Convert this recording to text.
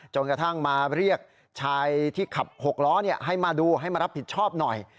กระทั่งมาเรียกชายที่ขับ๖ล้อให้มาดูให้มารับผิดชอบหน่อย